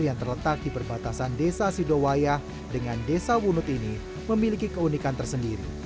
dengan desa wunud ini memiliki keunikan tersendiri